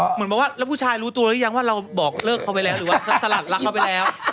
เหมือนบอกว่าแล้วผู้ชายรู้ตัวหรือยังว่าเราบอกเลิกเขาไปแล้วหรือว่าสลัดรักเขาไปแล้ว